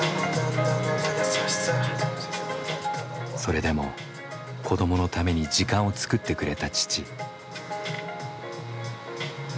それでも子どものために時間を作ってくれた父。